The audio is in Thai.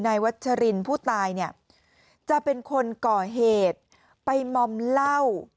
วัชรินผู้ตายเนี่ยจะเป็นคนก่อเหตุไปมอมเหล้า